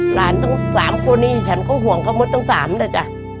ทั้ง๓คนนี้ฉันก็ห่วงเขามดตั้ง๓แล้วจ้ะ